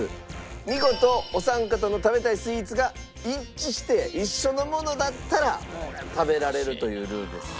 見事お三方の食べたいスイーツが一致して一緒のものだったら食べられるというルールです。